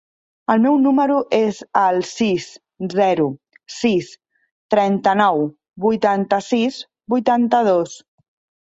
El meu número es el sis, zero, sis, trenta-nou, vuitanta-sis, vuitanta-dos.